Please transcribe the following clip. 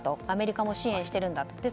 アメリカも支援しているんだと。